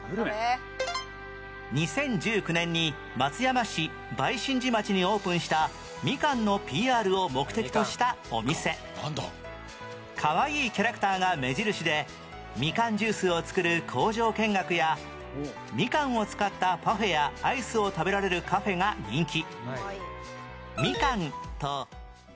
２０１９年に松山市梅津寺町にオープンしたみかんの ＰＲ を目的としたお店かわいいキャラクターが目印でみかんジュースを作る工場見学やみかんを使ったパフェやアイスを食べられるカフェが人気